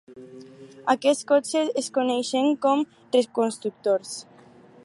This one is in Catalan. Aquests cotxes es coneixen com "reconstructors".